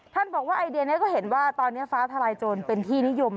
บอกว่าไอเดียนี้ก็เห็นว่าตอนนี้ฟ้าทลายโจรเป็นที่นิยม